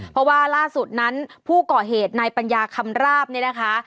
เพราะว่าล่าสุดนั้นผู้ก่อเหตุนายปัญญาคำราบเนี่ยนะคะ